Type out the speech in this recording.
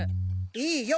いいよ。